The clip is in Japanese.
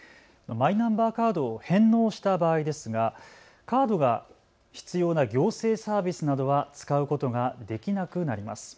マイナンバーカードを返納した場合ですがカードが必要な行政サービスなどは使うことができなくなります。